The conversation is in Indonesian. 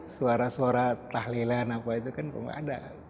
suara suara tahlilan apa itu kan kok gak ada